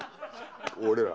俺ら。